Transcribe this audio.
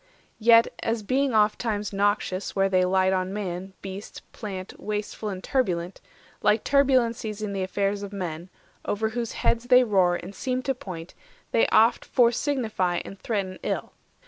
Yet, as being ofttimes noxious where they light 460 On man, beast, plant, wasteful and turbulent, Like turbulencies in the affairs of men, Over whose heads they roar, and seem to point, They oft fore signify and threaten ill.